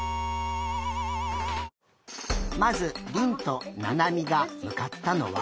まずりんとななみがむかったのは。